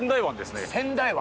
仙台湾。